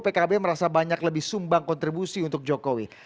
pkb merasa banyak lebih sumbang kontribusi untuk jokowi